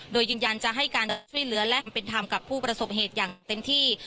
โดยยืนยันจะให้การช่วยเหลือและเป็นธรรมกับผู้ประสบเหตุอย่างเต็มที่